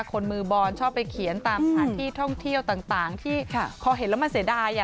คนมือบอลชอบไปเขียนตามสถานที่ท่องเที่ยวต่างที่พอเห็นแล้วมันเสียดาย